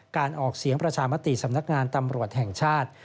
ออกเสียงประชามติสำนักงานตำรวจแห่งชาติ